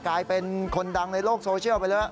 กลายเป็นคนดังในโลกโซเชียลไปแล้ว